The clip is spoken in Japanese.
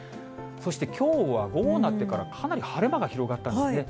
そしてきょうは、午後になってから、かなり晴れ間が広がったんですね。